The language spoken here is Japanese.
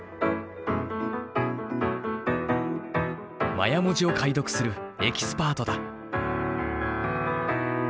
マヤ文字を解読するエキスパートだ。